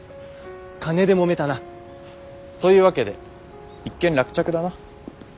金でもめたな。というわけで一件落着だな。